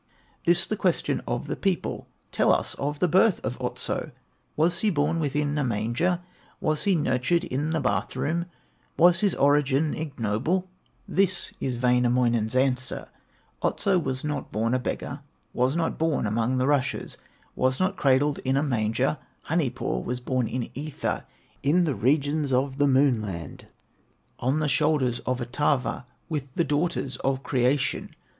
This the question of the people: "Tell us of the birth of Otso! Was he born within a manger, Was he nurtured in the bath room Was his origin ignoble?" This is Wainamoinen's answer: "Otso was not born a beggar, Was not born among the rushes, Was not cradled in a manger; Honey paw was born in ether, In the regions of the Moon land, On the shoulders of Otava, With the daughters of creation.